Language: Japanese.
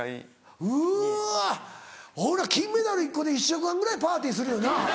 俺金メダル１個で１週間ぐらいパーティーするよな。